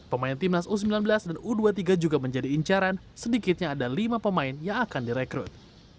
pemain timnas u sembilan belas dan u dua puluh tiga juga menjadi incaran sedikitnya ada lima pemain yang akan direkrut